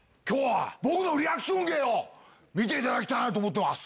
僕のリアクション芸を見ていただきたいなと思ってます。